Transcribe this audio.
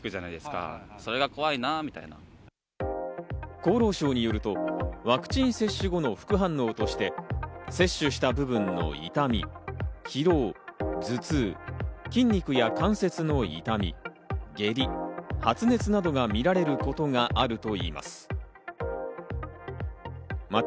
厚労省によると、ワクチン接種後の副反応として、接種した部分の痛み、疲労、頭痛、筋肉や関節の痛み、下痢、発熱などが見られることがあるといいます。